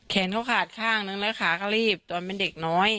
แขนเขาขาดข้างนึงแล้วขาก็รีบตอนเป็นเด็กน้อย